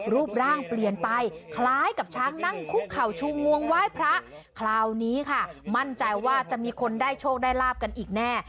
รูปร่างเปลี่ยนไปคล้ายกับช้างนั่งคุกเข่าชูงวงไหว้พระคราวนี้ค่ะมั่นใจว่าจะมีคนได้โชคได้ลาบกันอีกแน่